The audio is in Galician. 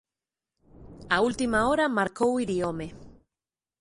Á última hora marcou Iriome.